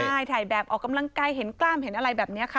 ใช่ถ่ายแบบออกกำลังกายเห็นกล้ามเห็นอะไรแบบนี้ค่ะ